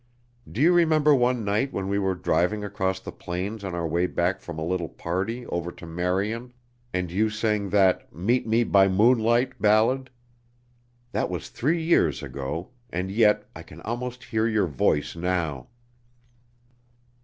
Do you remember one night when we were driving across the plains on our way back from a little party over to Marion, and you sang that 'Meet Me by Moonlight' ballad? That was three years ago, and yet I can almost hear your voice now."